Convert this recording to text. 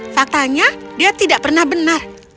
faktanya dia tidak pernah benar